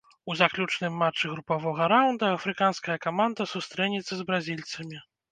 У заключным матчы групавога раўнда афрыканская каманда сустрэнецца з бразільцамі.